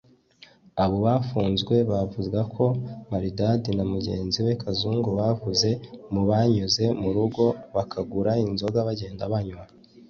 Abo bafunzwe bavuga ko Maridadi na mugenzi we Kazungu bavuze mu banyuze mu rugo bakagura inzoga bagenda banywa